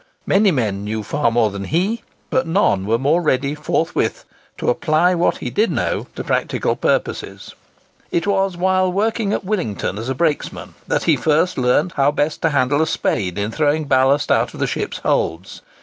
Many men knew far more than he; but none were more ready forthwith to apply what he did know to practical purposes. It was while working at Willington as a brakes man, that he first learnt how best to handle a spade in throwing ballast out of the ships' holds.